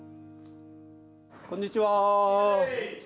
こんにちは。